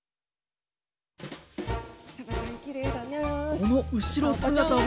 この後ろ姿は。